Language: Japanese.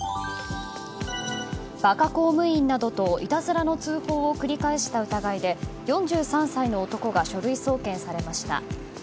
馬鹿公務員などといたずらの通報を繰り返した疑いで４３歳の男が書類送検されました。